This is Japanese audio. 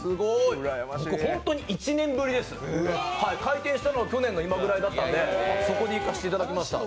僕、本当に１年ぶりです開店したのが去年の今ぐらいだったんでそこで行かせていただきました。